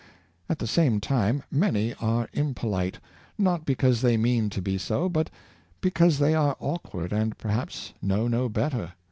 At the same time many are impolite, not because they mean to be so, but because they are awkward, and perhaps know no better.